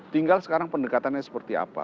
tinggal sekarang pendekatannya seperti apa